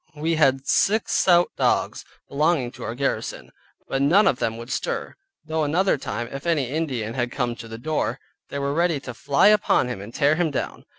We had six stout dogs belonging to our garrison, but none of them would stir, though another time, if any Indian had come to the door, they were ready to fly upon him and tear him down.